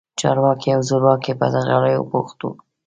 چارواکي او زورواکي په درغلیو بوخت وو.